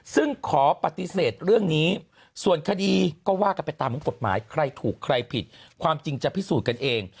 ซึ่งขอปฏิเสธเรื่องนี้ส่วนคดีก็ว่ากันไปตามของกฎหมายใครถูกใครผิดความจริงจะพิสูจน์กันเอง